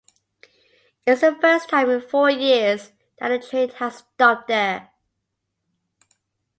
It is the first time in four years that the train has stopped there.